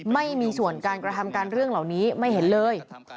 ไม่มีส่วนการกระทำการเรื่องเหล่านี้ไม่เห็นเลย